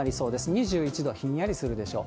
２１度、ひんやりするでしょう。